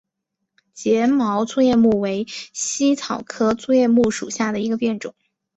睫毛粗叶木为茜草科粗叶木属下的一个变种。